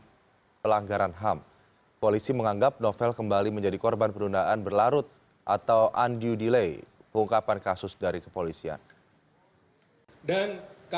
kasus pelanggaran ham polisi menganggap novel kembali menjadi korban penundaan berlarut atau undu delay pengungkapan kasus dari kepolisian